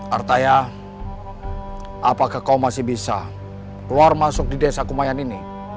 artaya apakah kau masih bisa keluar masuk di desa kumayan ini